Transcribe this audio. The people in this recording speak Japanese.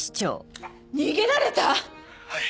逃げられた⁉はい。